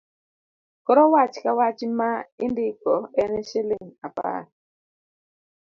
Koro wach Ka wach ma indiko en shilling apar.